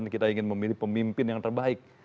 kita ingin memilih pemimpin yang terbaik